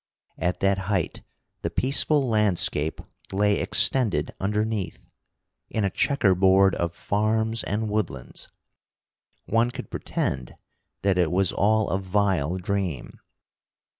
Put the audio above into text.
At that height, the peaceful landscape lay extended underneath, in a checker board of farms and woodlands. One could pretend that it was all a vile dream.